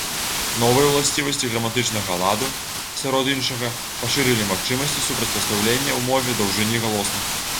Новыя ўласцівасці граматычнага ладу, сярод іншага, пашырылі магчымасці супрацьпастаўлення ў мове даўжыні галосных.